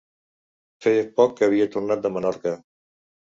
Feia poc que havia tornat de Menorca.